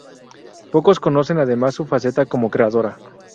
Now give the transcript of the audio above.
Pocos conocen además su faceta como creadora.